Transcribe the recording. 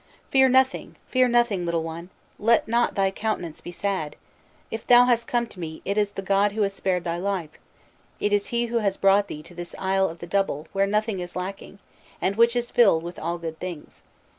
"Fear nothing, fear nothing, little one, let not thy countenance be sad! If thou hast come to me, it is the god who has spared thy life; it is he who has brought thee into this 'Isle of the Double,' where nothing is lacking, and which is filled with all good things.